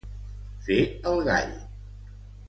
Fer el gall.